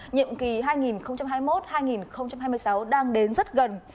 nhiệm kỳ hai nghìn hai mươi một hai nghìn hai mươi sáu đang đến rất gần